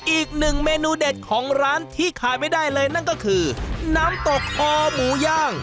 อีกหนึ่งเมนูเด็ดของร้านที่ขายไม่ได้เลยนั่นก็คือน้ำตกคอหมูย่าง